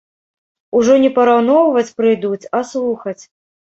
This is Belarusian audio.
Ужо не параўноўваць прыйдуць, а слухаць.